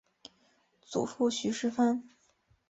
祖父许士蕃。